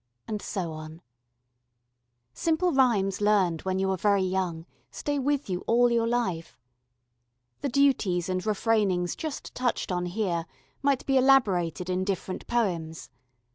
.. And so on. Simple rhymes learned when you are very young stay with you all your life. The duties and refrainings just touched on here might be elaborated in different poems.